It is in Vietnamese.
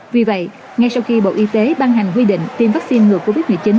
vì vậy ngay sau khi bộ y tế ban hành quy định tiêm vaccine ngừa covid một mươi chín